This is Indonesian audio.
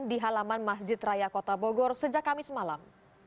di halaman masjid raya kota bogor sejak kamis malam